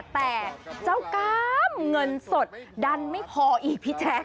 แต่เจ้ากรรมเงินสดดันไม่พออีกพี่แจ๊ค